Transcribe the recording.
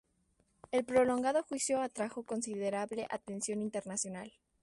El prolongado juicio atrajo considerable atención internacional.